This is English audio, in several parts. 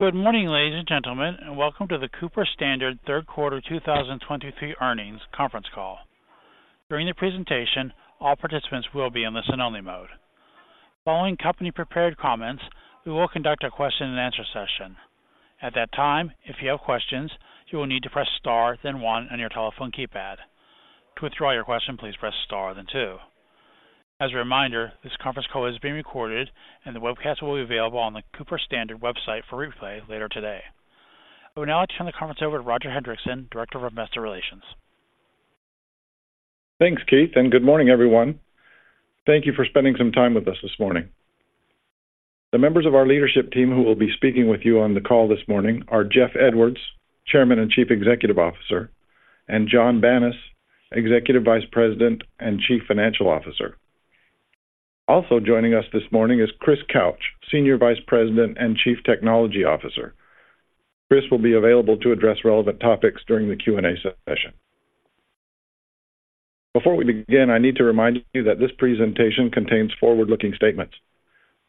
Good morning, ladies and gentlemen, and welcome to the Cooper Standard third quarter 2023 earnings conference call. During the presentation, all participants will be in listen-only mode. Following company-prepared comments, we will conduct a question-and-answer session. At that time, if you have questions, you will need to press Star, then one on your telephone keypad. To withdraw your question, please press Star, then two. As a reminder, this conference call is being recorded, and the webcast will be available on the Cooper Standard website for replay later today. I would now like to turn the conference over to Roger Hendriksen, Director of Investor Relations. Thanks, Keith, and good morning, everyone. Thank you for spending some time with us this morning. The members of our leadership team who will be speaking with you on the call this morning are Jeff Edwards, Chairman and Chief Executive Officer, and Jonathan Banas, Executive Vice President and Chief Financial Officer. Also joining us this morning is Chris Couch, Senior Vice President and Chief Technology Officer. Chris will be available to address relevant topics during the Q&A session. Before we begin, I need to remind you that this presentation contains forward-looking statements.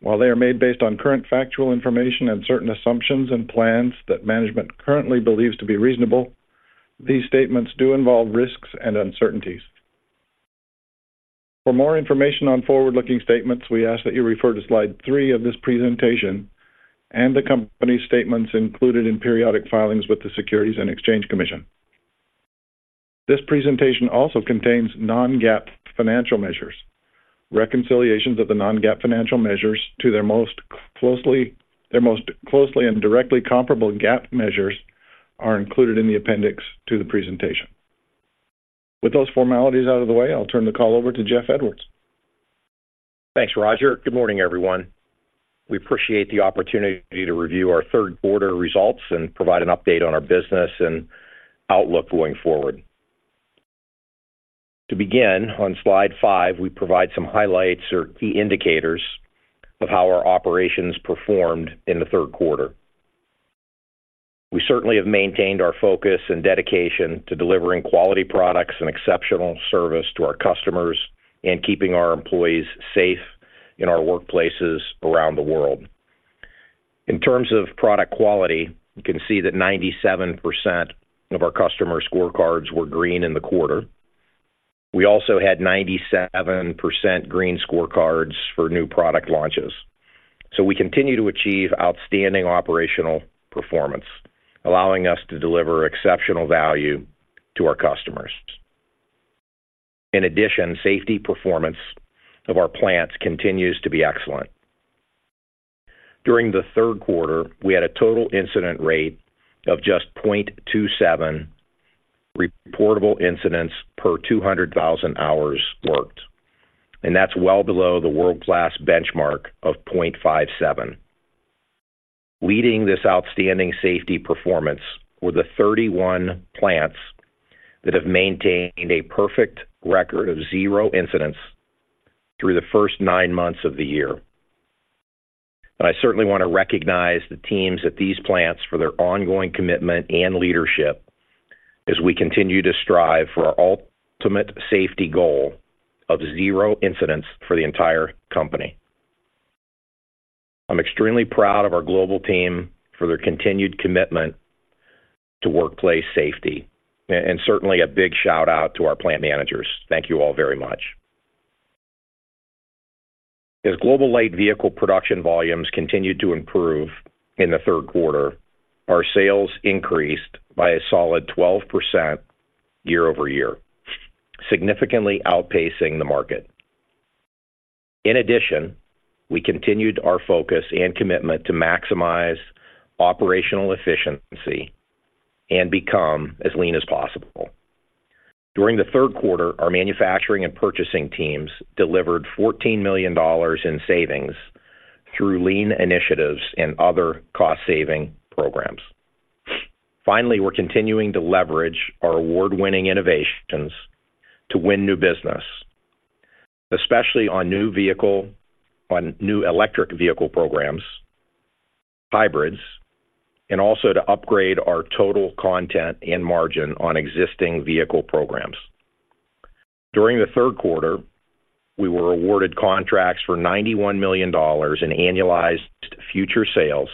While they are made based on current factual information and certain assumptions and plans that management currently believes to be reasonable, these statements do involve risks and uncertainties. For more information on forward-looking statements, we ask that you refer to slide three of this presentation and the company's statements included in periodic filings with the Securities and Exchange Commission. This presentation also contains non-GAAP financial measures. Reconciliations of the non-GAAP financial measures to their most closely and directly comparable GAAP measures are included in the appendix to the presentation. With those formalities out of the way, I'll turn the call over to Jeff Edwards. Thanks, Roger. Good morning, everyone. We appreciate the opportunity to review our third quarter results and provide an update on our business and outlook going forward. To begin, on slide 5, we provide some highlights or key indicators of how our operations performed in the third quarter. We certainly have maintained our focus and dedication to delivering quality products and exceptional service to our customers and keeping our employees safe in our workplaces around the world. In terms of product quality, you can see that 97% of our customer scorecards were green in the quarter. We also had 97% green scorecards for new product launches. So we continue to achieve outstanding operational performance, allowing us to deliver exceptional value to our customers. In addition, safety performance of our plants continues to be excellent. During the third quarter, we had a total incident rate of just 0.27 reportable incidents per 200,000 hours worked, and that's well below the world-class benchmark of 0.57. Leading this outstanding safety performance were the 31 plants that have maintained a perfect record of zero incidents through the first nine months of the year. I certainly want to recognize the teams at these plants for their ongoing commitment and leadership as we continue to strive for our ultimate safety goal of zero incidents for the entire company. I'm extremely proud of our global team for their continued commitment to workplace safety, and certainly a big shout-out to our plant managers. Thank you all very much. As global light vehicle production volumes continued to improve in the third quarter, our sales increased by a solid 12% year-over-year, significantly outpacing the market. In addition, we continued our focus and commitment to maximize operational efficiency and become as lean as possible. During the third quarter, our manufacturing and purchasing teams delivered $14 million in savings through lean initiatives and other cost-saving programs. Finally, we're continuing to leverage our award-winning innovations to win new business, especially on new electric vehicle programs, hybrids, and also to upgrade our total content and margin on existing vehicle programs. During the third quarter, we were awarded contracts for $91 million in annualized future sales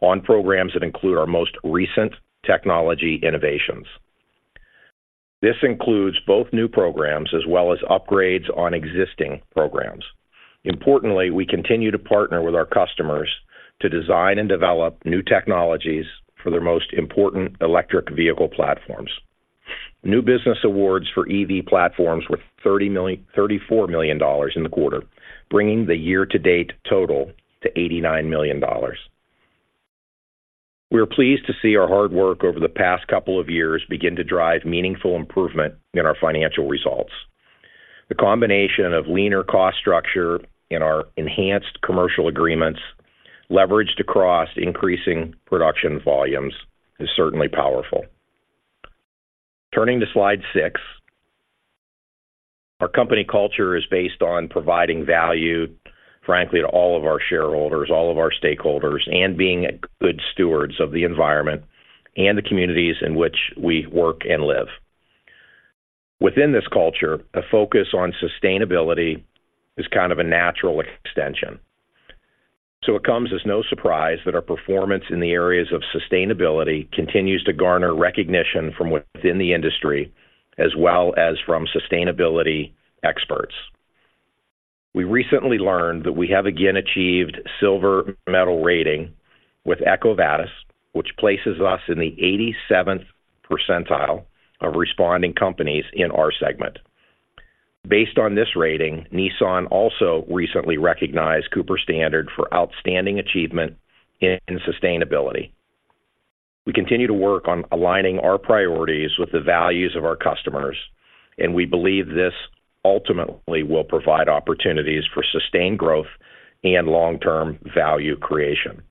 on programs that include our most recent technology innovations. This includes both new programs as well as upgrades on existing programs. Importantly, we continue to partner with our customers to design and develop new technologies for their most important electric vehicle platforms. New business awards for EV platforms were $34 million in the quarter, bringing the year-to-date total to $89 million. We are pleased to see our hard work over the past couple of years begin to drive meaningful improvement in our financial results. The combination of leaner cost structure and our enhanced commercial agreements, leveraged across increasing production volumes, is certainly powerful. Turning to slide 6, our company culture is based on providing value, frankly, to all of our shareholders, all of our stakeholders, and being good stewards of the environment and the communities in which we work and live. Within this culture, a focus on sustainability is kind of a natural extension. So it comes as no surprise that our performance in the areas of sustainability continues to garner recognition from within the industry, as well as from sustainability experts. We recently learned that we have again achieved silver medal rating with EcoVadis, which places us in the 87th percentile of responding companies in our segment. Based on this rating, Nissan also recently recognized Cooper Standard for outstanding achievement in sustainability. We continue to work on aligning our priorities with the values of our customers, and we believe this ultimately will provide opportunities for sustained growth and long-term value creation.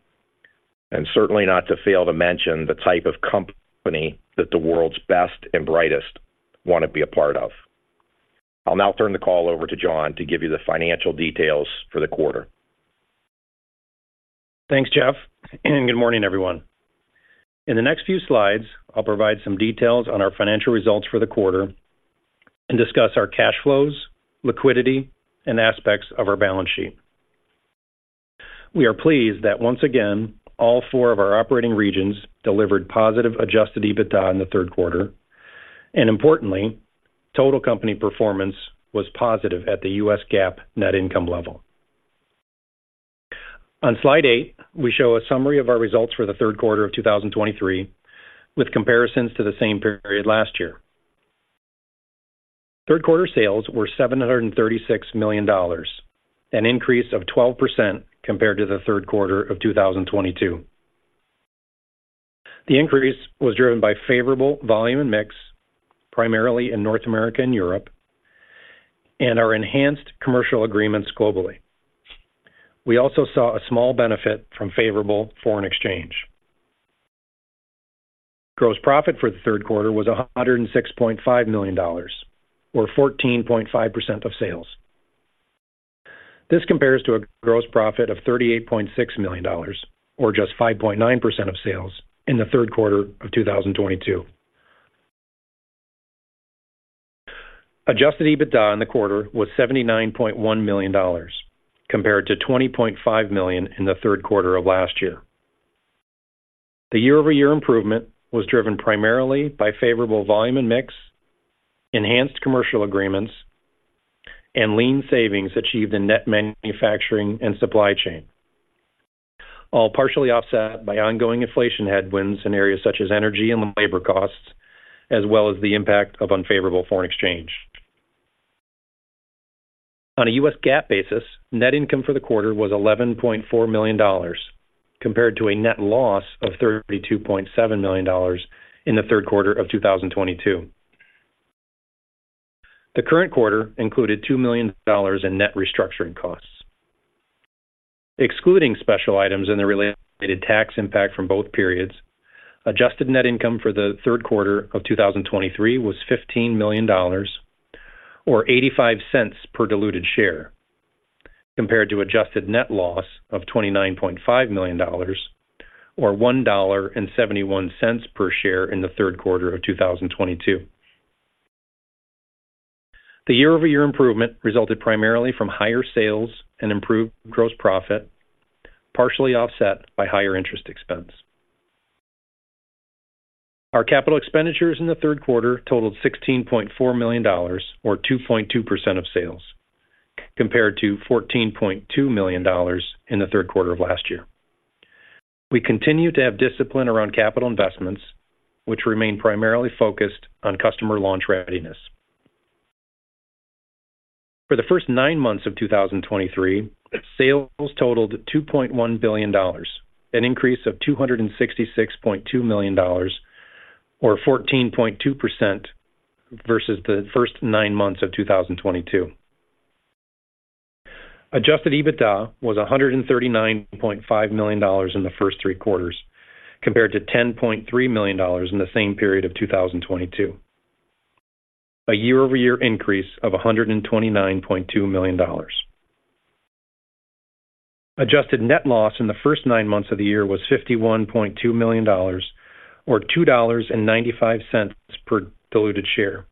Certainly not to fail to mention the type of company that the world's best and brightest want to be a part of. I'll now turn the call over to Jon to give you the financial details for the quarter. Thanks, Jeff, and good morning, everyone. In the next few slides, I'll provide some details on our financial results for the quarter and discuss our cash flows, liquidity, and aspects of our balance sheet. We are pleased that, once again, all four of our operating regions delivered positive Adjusted EBITDA in the third quarter, and importantly, total company performance was positive at the U.S. GAAP net income level. On slide 8, we show a summary of our results for the third quarter of 2023, with comparisons to the same period last year. Third quarter sales were $736 million, an increase of 12% compared to the third quarter of 2022. The increase was driven by favorable volume and mix, primarily in North America and Europe, and our enhanced commercial agreements globally. We also saw a small benefit from favorable foreign exchange. Gross profit for the third quarter was $106.5 million, or 14.5% of sales. This compares to a gross profit of $38.6 million, or just 5.9% of sales in the third quarter of 2022. Adjusted EBITDA in the quarter was $79.1 million, compared to $20.5 million in the third quarter of last year. The year-over-year improvement was driven primarily by favorable volume and mix, enhanced commercial agreements, and lean savings achieved in net manufacturing and supply chain, all partially offset by ongoing inflation headwinds in areas such as energy and labor costs, as well as the impact of unfavorable foreign exchange. On a U.S. GAAP basis, net income for the quarter was $11.4 million, compared to a net loss of $32.7 million in the third quarter of 2022. The current quarter included $2 million in net restructuring costs. Excluding special items and the related tax impact from both periods, adjusted net income for the third quarter of 2023 was $15 million or $0.85 per diluted share, compared to adjusted net loss of $29.5 million or $1.71 per share in the third quarter of 2022. The year-over-year improvement resulted primarily from higher sales and improved gross profit, partially offset by higher interest expense. Our capital expenditures in the third quarter totaled $16.4 million, or 2.2% of sales, compared to $14.2 million in the third quarter of last year. We continue to have discipline around capital investments, which remain primarily focused on customer launch readiness. For the first nine months of 2023, sales totaled $2.1 billion, an increase of $266.2 million or 14.2% versus the first nine months of 2022. Adjusted EBITDA was $139.5 million in the first three quarters, compared to $10.3 million in the same period of 2022, a year-over-year increase of $129.2 million. Adjusted net loss in the first 9 months of the year was $51.2 million or $2.95 per diluted share,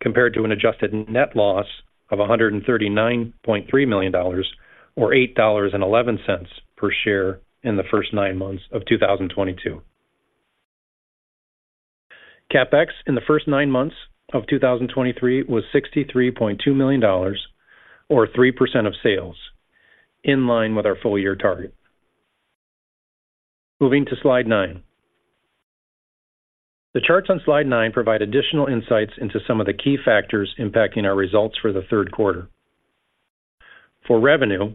compared to an adjusted net loss of $139.3 million or $8.11 per share in the first 9 months of 2022. CapEx in the first 9 months of 2023 was $63.2 million or 3% of sales, in line with our full year target. Moving to slide 9. The charts on slide 9 provide additional insights into some of the key factors impacting our results for the third quarter. For revenue,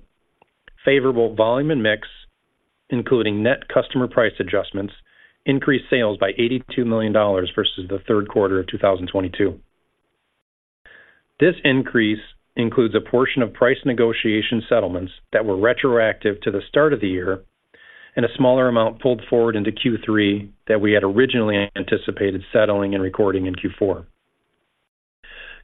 favorable volume and mix, including net customer price adjustments, increased sales by $82 million versus the third quarter of 2022. This increase includes a portion of price negotiation settlements that were retroactive to the start of the year and a smaller amount pulled forward into Q3 that we had originally anticipated settling and recording in Q4.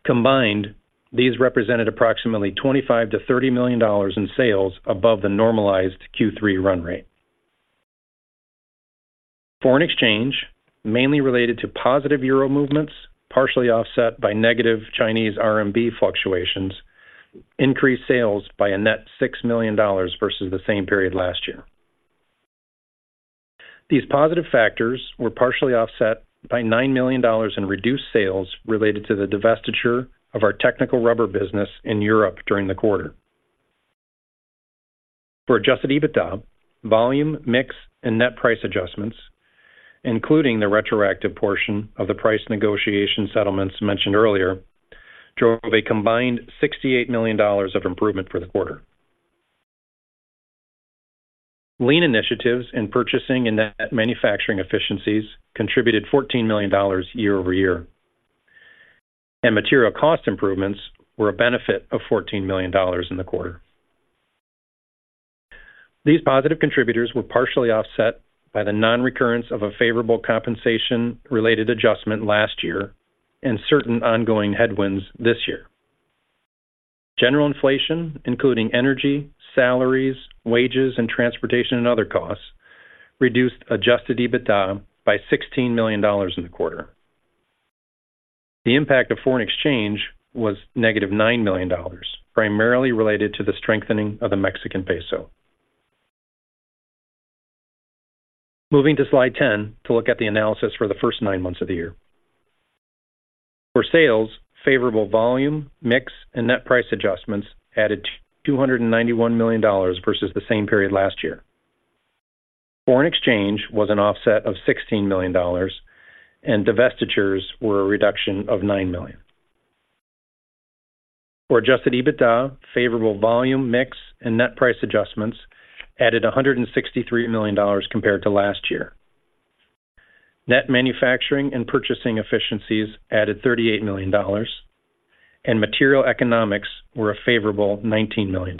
Combined, these represented approximately $25 million-$30 million in sales above the normalized Q3 run rate. Foreign exchange, mainly related to positive euro movements, partially offset by negative Chinese RMB fluctuations, increased sales by a net $6 million versus the same period last year. These positive factors were partially offset by $9 million in reduced sales related to the divestiture of our technical rubber business in Europe during the quarter. For Adjusted EBITDA, volume, mix, and net price adjustments, including the retroactive portion of the price negotiation settlements mentioned earlier, drove a combined $68 million of improvement for the quarter. Lean initiatives in purchasing and net manufacturing efficiencies contributed $14 million year-over-year, and material cost improvements were a benefit of $14 million in the quarter. These positive contributors were partially offset by the non-recurrence of a favorable compensation-related adjustment last year and certain ongoing headwinds this year. General inflation, including energy, salaries, wages, and transportation and other costs, reduced Adjusted EBITDA by $16 million in the quarter. The impact of foreign exchange was negative $9 million, primarily related to the strengthening of the Mexican peso. Moving to Slide 10 to look at the analysis for the first 9 months of the year. For sales, favorable volume, mix, and net price adjustments added $291 million versus the same period last year. Foreign exchange was an offset of $16 million, and divestitures were a reduction of $9 million. For adjusted EBITDA, favorable volume, mix, and net price adjustments added $163 million compared to last year. Net manufacturing and purchasing efficiencies added $38 million, and material economics were a favorable $19 million.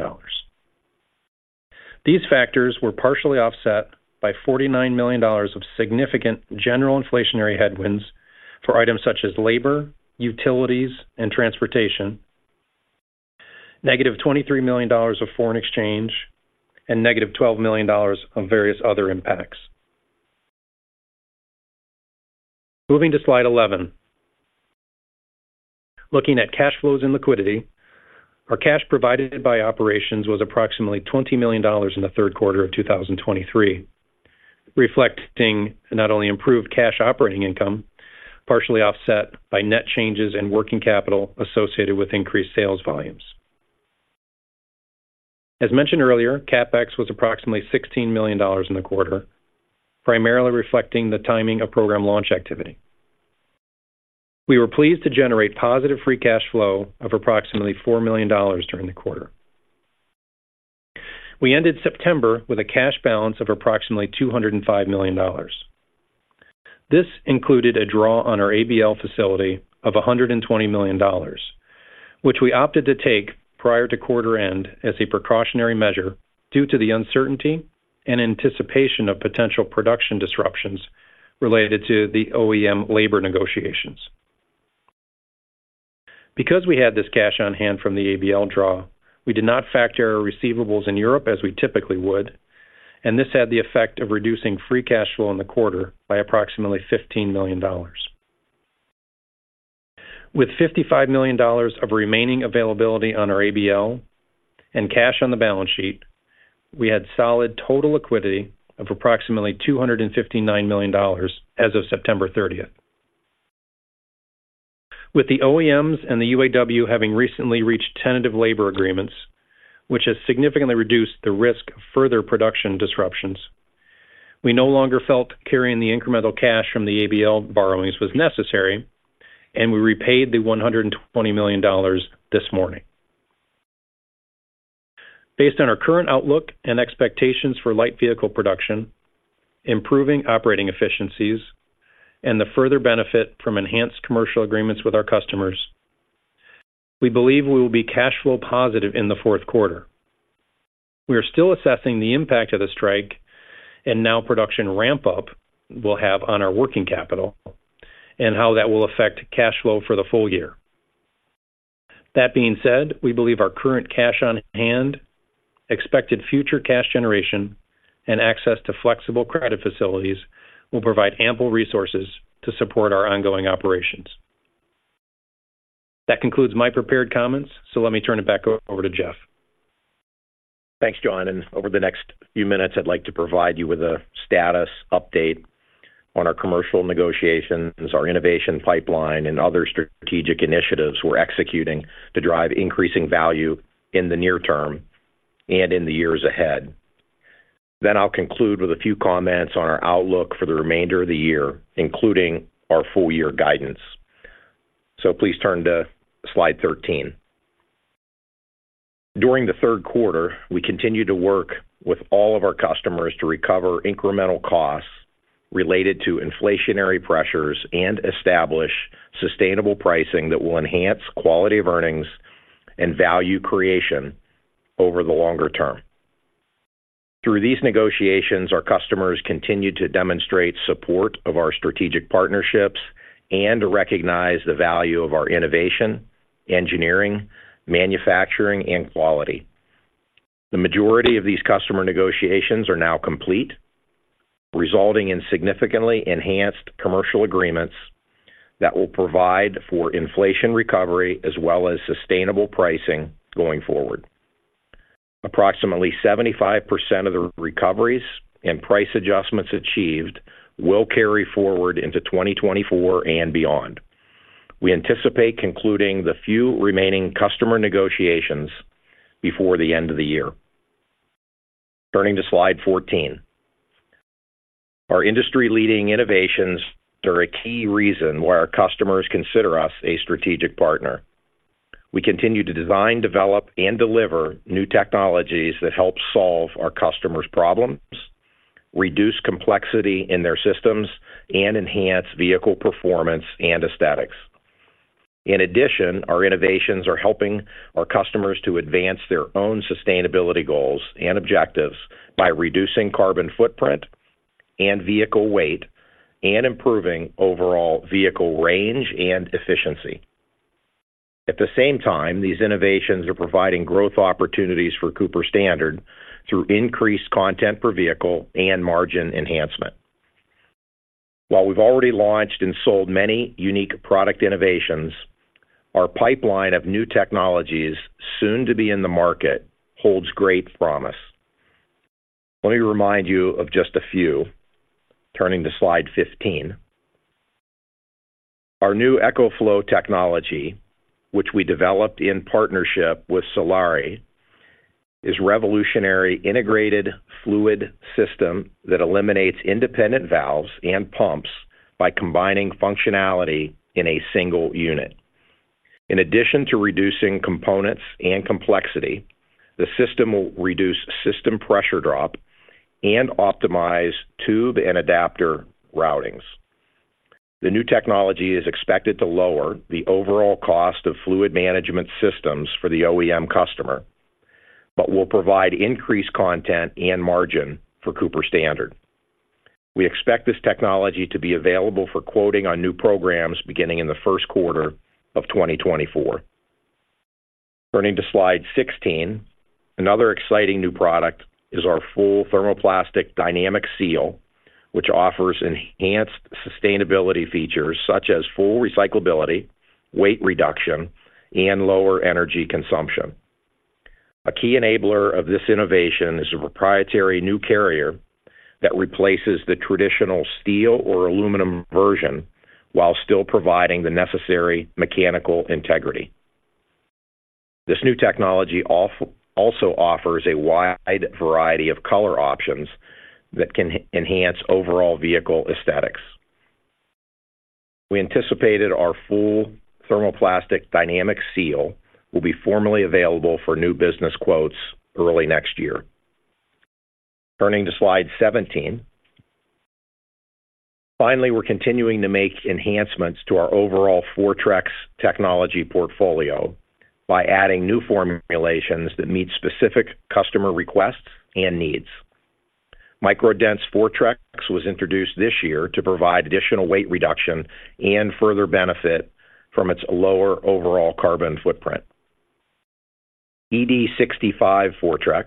These factors were partially offset by $49 million of significant general inflationary headwinds for items such as labor, utilities, and transportation, negative $23 million of foreign exchange, and negative $12 million on various other impacts. Moving to Slide 11. Looking at cash flows and liquidity, our cash provided by operations was approximately $20 million in the third quarter of 2023, reflecting not only improved cash operating income, partially offset by net changes in working capital associated with increased sales volumes. As mentioned earlier, CapEx was approximately $16 million in the quarter, primarily reflecting the timing of program launch activity. We were pleased to generate positive Free Cash Flow of approximately $4 million during the quarter. We ended September with a cash balance of approximately $205 million. This included a draw on our ABL facility of $120 million, which we opted to take prior to quarter end as a precautionary measure due to the uncertainty and anticipation of potential production disruptions related to the OEM labor negotiations. Because we had this cash on hand from the ABL draw, we did not factor our receivables in Europe as we typically would, and this had the effect of reducing Free Cash Flow in the quarter by approximately $15 million. With $55 million of remaining availability on our ABL and cash on the balance sheet, we had solid total liquidity of approximately $259 million as of September 30. With the OEMs and the UAW having recently reached tentative labor agreements, which has significantly reduced the risk of further production disruptions, we no longer felt carrying the incremental cash from the ABL borrowings was necessary, and we repaid $120 million this morning. Based on our current outlook and expectations for light vehicle production, improving operating efficiencies, and the further benefit from enhanced commercial agreements with our customers, we believe we will be cash flow positive in the fourth quarter. We are still assessing the impact of the strike and now production ramp-up will have on our working capital and how that will affect cash flow for the full year. That being said, we believe our current cash on hand, expected future cash generation, and access to flexible credit facilities will provide ample resources to support our ongoing operations. That concludes my prepared comments, so let me turn it back over to Jeff. Thanks, Jon, and over the next few minutes, I'd like to provide you with a status update on our commercial negotiations, our innovation pipeline, and other strategic initiatives we're executing to drive increasing value in the near term and in the years ahead. Then I'll conclude with a few comments on our outlook for the remainder of the year, including our full year guidance. So please turn to Slide 13. During the third quarter, we continued to work with all of our customers to recover incremental costs related to inflationary pressures and establish sustainable pricing that will enhance quality of earnings and value creation over the longer term. Through these negotiations, our customers continued to demonstrate support of our strategic partnerships and to recognize the value of our innovation, engineering, manufacturing, and quality... The majority of these customer negotiations are now complete, resulting in significantly enhanced commercial agreements that will provide for inflation recovery as well as sustainable pricing going forward. Approximately 75% of the recoveries and price adjustments achieved will carry forward into 2024 and beyond. We anticipate concluding the few remaining customer negotiations before the end of the year. Turning to slide 14. Our industry-leading innovations are a key reason why our customers consider us a strategic partner. We continue to design, develop, and deliver new technologies that help solve our customers' problems, reduce complexity in their systems, and enhance vehicle performance and aesthetics. In addition, our innovations are helping our customers to advance their own sustainability goals and objectives by reducing carbon footprint and vehicle weight, and improving overall vehicle range and efficiency. At the same time, these innovations are providing growth opportunities for Cooper Standard through increased content per vehicle and margin enhancement. While we've already launched and sold many unique product innovations, our pipeline of new technologies soon to be in the market holds great promise. Let me remind you of just a few. Turning to slide 15. Our new eCoFlow technology, which we developed in partnership with Saleri, is revolutionary integrated fluid system that eliminates independent valves and pumps by combining functionality in a single unit. In addition to reducing components and complexity, the system will reduce system pressure drop and optimize tube and adapter routings. The new technology is expected to lower the overall cost of fluid management systems for the OEM customer, but will provide increased content and margin for Cooper Standard. We expect this technology to be available for quoting on new programs beginning in the first quarter of 2024. Turning to slide 16. Another exciting new product is our full Thermoplastic Dynamic Seal, which offers enhanced sustainability features such as full recyclability, weight reduction, and lower energy consumption. A key enabler of this innovation is a proprietary new carrier that replaces the traditional steel or aluminum version, while still providing the necessary mechanical integrity. This new technology also offers a wide variety of color options that can enhance overall vehicle aesthetics. We anticipated our full Thermoplastic Dynamic Seal will be formally available for new business quotes early next year. Turning to slide 17. Finally, we're continuing to make enhancements to our overall Fortrex technology portfolio by adding new formulations that meet specific customer requests and needs. MicroDense Fortrex was introduced this year to provide additional weight reduction and further benefit from its lower overall carbon footprint. ED65 Fortrex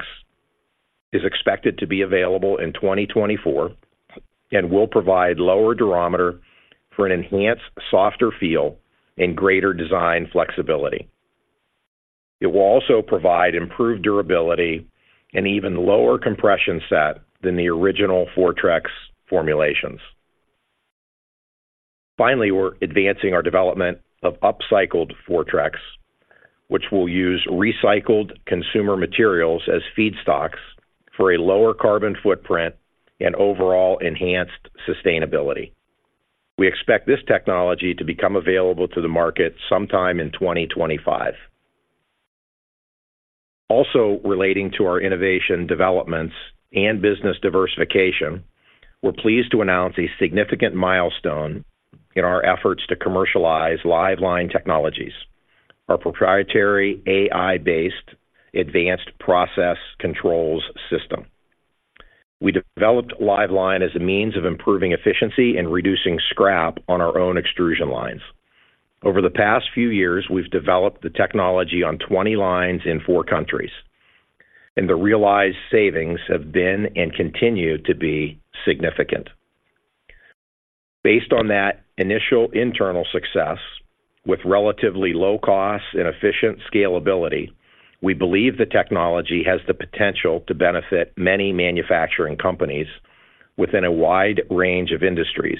is expected to be available in 2024, and will provide lower durometer for an enhanced, softer feel and greater design flexibility. It will also provide improved durability and even lower compression set than the original Fortrex formulations. Finally, we're advancing our development of upcycled Fortrex, which will use recycled consumer materials as feedstocks for a lower carbon footprint and overall enhanced sustainability. We expect this technology to become available to the market sometime in 2025. Also relating to our innovation developments and business diversification, we're pleased to announce a significant milestone in our efforts to commercialize Liveline Technologies, our proprietary AI-based advanced process controls system. We developed Liveline as a means of improving efficiency and reducing scrap on our own extrusion lines. Over the past few years, we've developed the technology on 20 lines in 4 countries, and the realized savings have been and continue to be significant. Based on that initial internal success, with relatively low costs and efficient scalability, we believe the technology has the potential to benefit many manufacturing companies within a wide range of industries,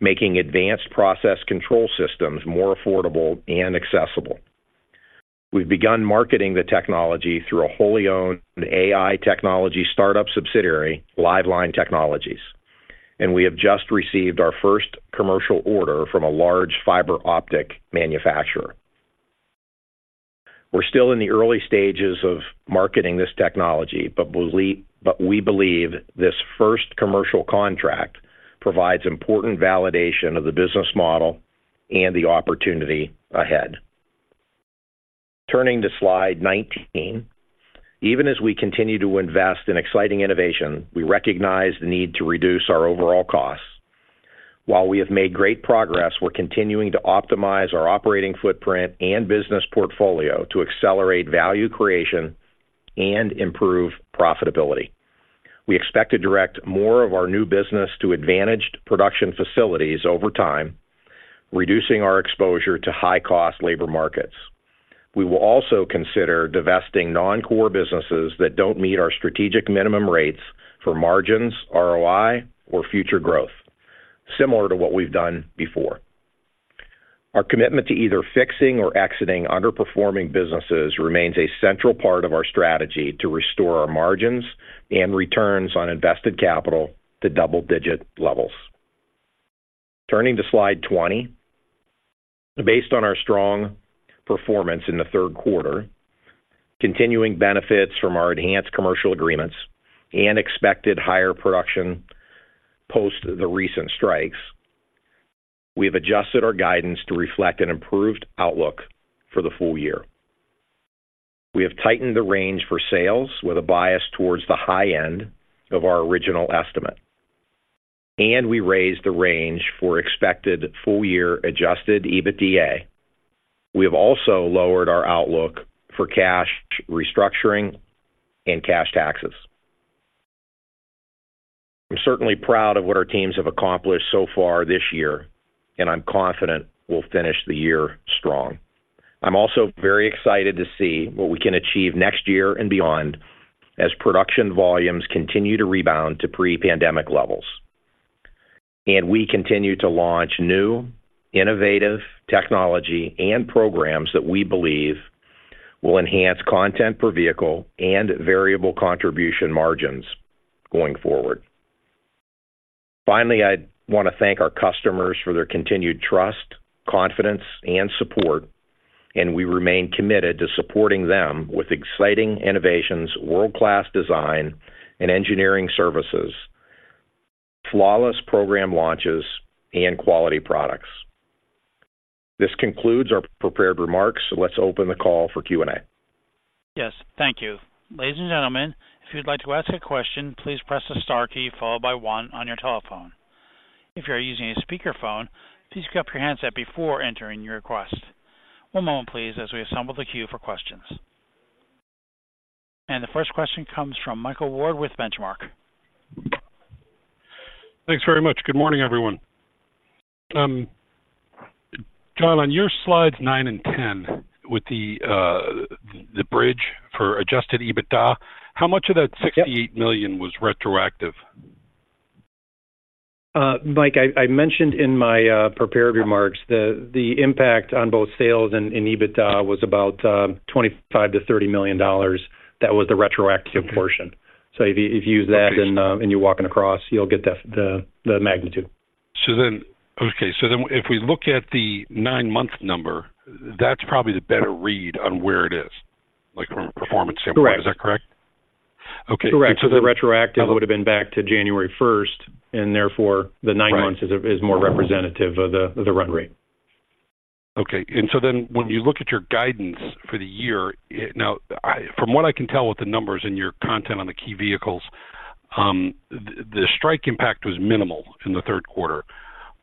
making advanced process control systems more affordable and accessible. We've begun marketing the technology through a wholly owned AI technology startup subsidiary, Liveline Technologies, and we have just received our first commercial order from a large fiber optic manufacturer. We're still in the early stages of marketing this technology, but we believe this first commercial contract provides important validation of the business model and the opportunity ahead. Turning to slide 19. Even as we continue to invest in exciting innovation, we recognize the need to reduce our overall costs. While we have made great progress, we're continuing to optimize our operating footprint and business portfolio to accelerate value creation and improve profitability. We expect to direct more of our new business to advantaged production facilities over time, reducing our exposure to high-cost labor markets. We will also consider divesting non-core businesses that don't meet our strategic minimum rates for margins, ROI, or future growth, similar to what we've done before. Our commitment to either fixing or exiting underperforming businesses remains a central part of our strategy to restore our margins and returns on invested capital to double-digit levels. Turning to Slide 20, based on our strong performance in the third quarter, continuing benefits from our enhanced commercial agreements and expected higher production post the recent strikes, we have adjusted our guidance to reflect an improved outlook for the full year. We have tightened the range for sales with a bias towards the high end of our original estimate, and we raised the range for expected full-year Adjusted EBITDA. We have also lowered our outlook for cash restructuring and cash taxes. I'm certainly proud of what our teams have accomplished so far this year, and I'm confident we'll finish the year strong. I'm also very excited to see what we can achieve next year and beyond, as production volumes continue to rebound to pre-pandemic levels. We continue to launch new, innovative technology and programs that we believe will enhance content per vehicle and variable contribution margins going forward. Finally, I want to thank our customers for their continued trust, confidence, and support, and we remain committed to supporting them with exciting innovations, world-class design and engineering services, flawless program launches, and quality products. This concludes our prepared remarks. Let's open the call for Q&A. Yes, thank you. Ladies and gentlemen, if you'd like to ask a question, please press the star key followed by one on your telephone. If you are using a speakerphone, please pick up your handset before entering your request. One moment, please, as we assemble the queue for questions. The first question comes from Michael Ward with Benchmark. Thanks very much. Good morning, everyone. Jon, on your slides 9 and 10, with the bridge for Adjusted EBITDA, how much of that- Yep. $68 million was retroactive? Mike, I mentioned in my prepared remarks, the impact on both sales and EBITDA was about $25 million-$30 million. That was the retroactive- Okay... portion. So if you, if you use that- Okay... and you walk it across, you'll get the magnitude. Okay, so then if we look at the nine-month number, that's probably the better read on where it is, like, from a performance standpoint. Correct. Is that correct? Okay. Correct. So the- Because the retroactive would have been back to January first, and therefore, the nine months- Right... is more representative of the run rate. Okay. And so then when you look at your guidance for the year, now, from what I can tell with the numbers and your content on the key vehicles, the strike impact was minimal in the third quarter,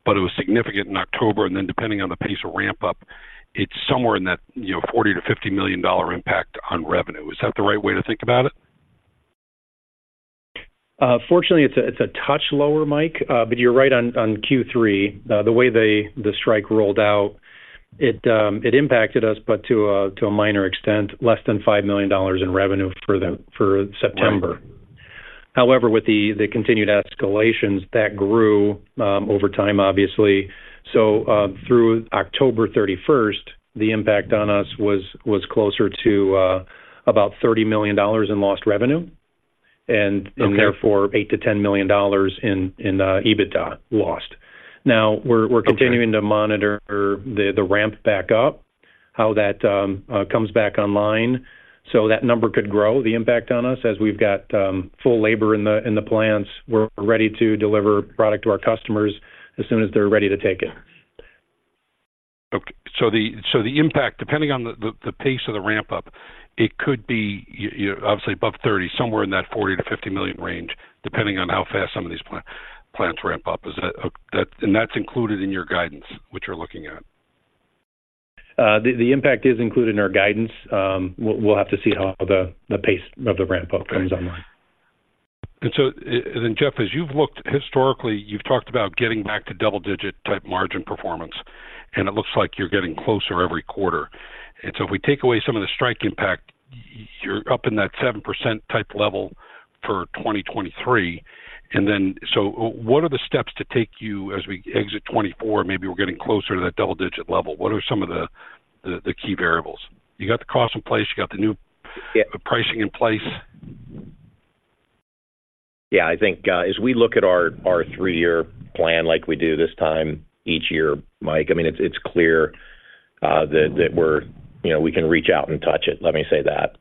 but it was significant in October, and then depending on the pace of ramp-up, it's somewhere in that, you know, $40 million-$50 million impact on revenue. Is that the right way to think about it? Fortunately, it's a touch lower, Mike, but you're right on Q3. The way the strike rolled out, it impacted us, but to a minor extent, less than $5 million in revenue for September. Right. However, with the continued escalations, that grew over time, obviously. So, through October thirty-first, the impact on us was closer to about $30 million in lost revenue and- Okay... and therefore, $8 million-$10 million in EBITDA lost. Okay. Now, we're continuing to monitor the ramp back up, how that comes back online. So that number could grow, the impact on us, as we've got full labor in the plants. We're ready to deliver product to our customers as soon as they're ready to take it. Okay. So the impact, depending on the pace of the ramp-up, it could be, you know, obviously above $30 million, somewhere in that $40 million-$50 million range, depending on how fast some of these plants ramp up. Is that... And that's included in your guidance, what you're looking at? The impact is included in our guidance. We'll have to see how the pace of the ramp-up comes online. Okay. And so, and then, Jeff, as you've looked historically, you've talked about getting back to double-digit type margin performance, and it looks like you're getting closer every quarter. And then, so what are the steps to take you as we exit 2024? Maybe we're getting closer to that double-digit level. What are some of the key variables? You got the cost in place, you got the new- Yep... the pricing in place. Yeah, I think, as we look at our three-year plan, like we do this time each year, Mike, I mean, it's clear that we're... You know, we can reach out and touch it, let me say that.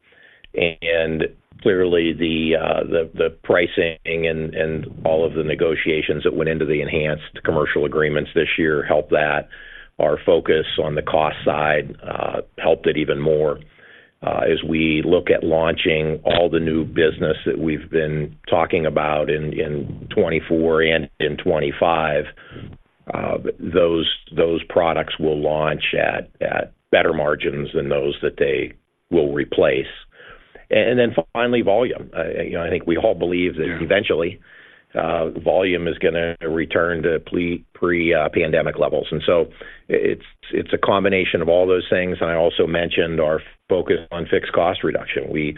And clearly, the pricing and all of the negotiations that went into the enhanced commercial agreements this year helped that. Our focus on the cost side helped it even more. As we look at launching all the new business that we've been talking about in 2024 and in 2025, those products will launch at better margins than those that they will replace. And then finally, volume. You know, I think we all believe that- Yeah Eventually, volume is gonna return to pre-pandemic levels. And so it's a combination of all those things. And I also mentioned our focus on fixed cost reduction. We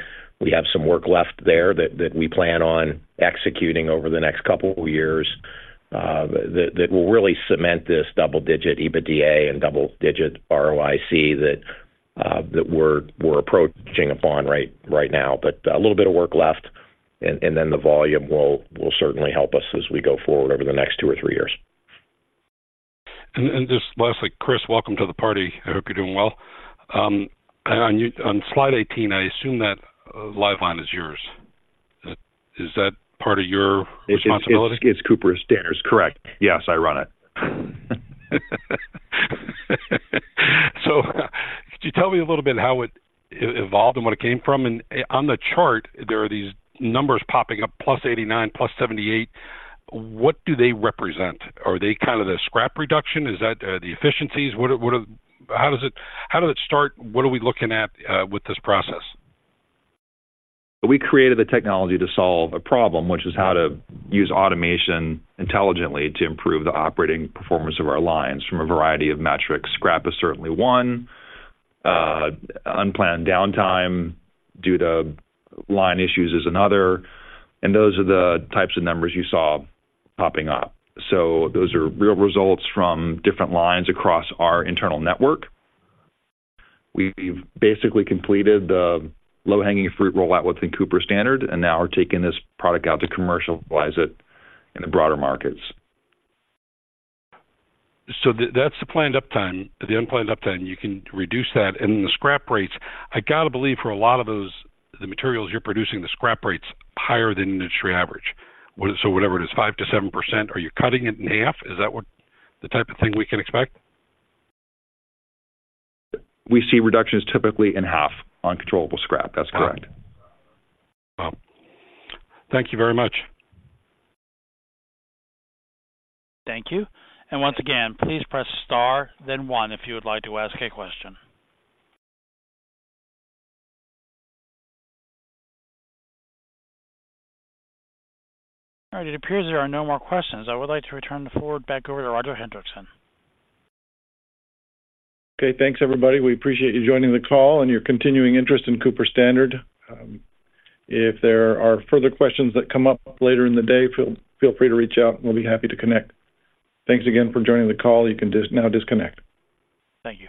have some work left there that we plan on executing over the next couple of years that will really cement this double-digit EBITDA and double-digit ROIC that we're approaching upon right now. But a little bit of work left, and then the volume will certainly help us as we go forward over the next two or three years. Just lastly, Chris, welcome to the party. I hope you're doing well. On slide 18, I assume that Liveline is yours. Is that part of your responsibility? It's Cooper Standard's. Correct. Yes, I run it. So could you tell me a little bit how it evolved and what it came from? And on the chart, there are these numbers popping up, +89, +78. What do they represent? Are they kind of the scrap reduction? Is that the efficiencies? What are... How does it start? What are we looking at with this process? We created the technology to solve a problem, which is how to use automation intelligently to improve the operating performance of our lines from a variety of metrics. Scrap is certainly one, unplanned downtime due to line issues is another, and those are the types of numbers you saw popping up. So those are real results from different lines across our internal network. We've basically completed the low-hanging fruit rollout within Cooper Standard, and now we're taking this product out to commercialize it in the broader markets. So that's the planned uptime. The unplanned uptime, you can reduce that. And then the scrap rates, I got to believe for a lot of those, the materials you're producing, the scrap rates higher than industry average. So whatever it is, 5%-7%, are you cutting it in half? Is that what the type of thing we can expect? We see reductions typically in half on controllable scrap. That's correct. Wow. Thank you very much. Thank you. And once again, please press Star, then one if you would like to ask a question. All right, it appears there are no more questions. I would like to return the floor back over to Roger Hendriksen. Okay, thanks, everybody. We appreciate you joining the call and your continuing interest in Cooper Standard. If there are further questions that come up later in the day, feel free to reach out, and we'll be happy to connect. Thanks again for joining the call. You can now disconnect. Thank you.